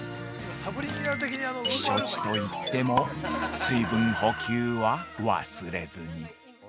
避暑地といっても水分補給は忘れずに。